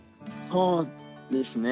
そうですね。